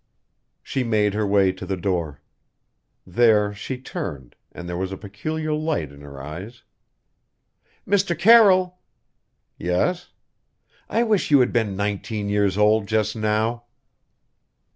She made her way to the door. There she turned, and there was a peculiar light in her eyes. "Mr. Carroll!" "Yes?" "I wish you had been nineteen years old just now."